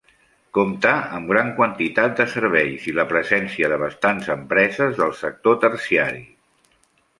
Compta amb gran quantitat de serveis i la presència de bastants empreses del sector terciari.